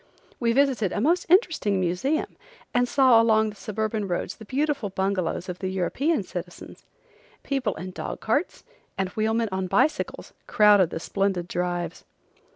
We visited a most interesting museum, and saw along the suburban roads the beautiful bungalows of the European citizens. People in dog carts and wheelmen on bicycles crowded the splendid drives.